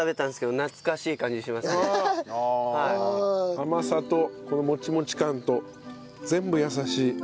甘さとこのモチモチ感と全部優しい。